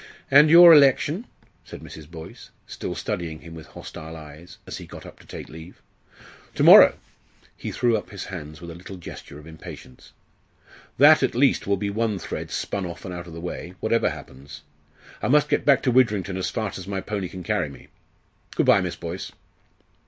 "And your election?" said Mrs. Boyce, still studying him with hostile eyes, as he got up to take leave. "To morrow!" He threw up his hands with a little gesture of impatience. "That at least will be one thread spun off and out of the way, whatever happens. I must get back to Widrington as fast as my pony can carry me. Good bye, Miss Boyce."